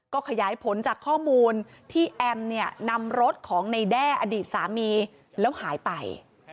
ก็ขยายผลจากข้อมูลที่แอมเนี่ยนำรถของในแด้อดีตสามีแล้วหายไป